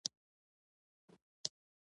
په تېره بیا په لویه ټولګه کې دغه ترتیب ښه دی.